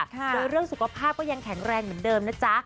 โดยเรื่องสุขภาพก็ยังแข็งแรงเหมือนเดิมนะจ๊ะ